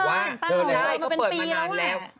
อันนี้เป็นปีแล้ว